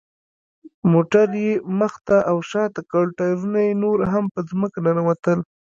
موټر یې مخ ته او شاته کړ، ټایرونه یې نور هم په ځمکه ننوتل.